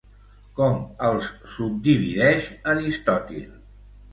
Com els subdivideix Aristòtil?